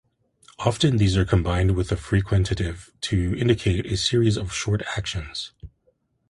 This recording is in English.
Often these are combined with a frequentative to indicate a series of short actions.